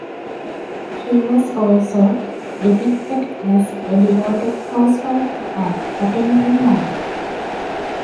She was also depicted as a devoted housewife and attentive mother.